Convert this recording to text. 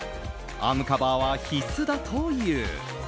アームカバーは必須だという。